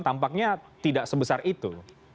tampaknya tidak sebesar itu